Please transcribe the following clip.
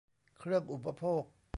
เครื่องอุปโภค